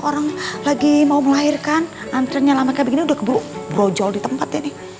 orang lagi mau melahirkan antrinya lama kayak begini udah kebu brojol di tempat ini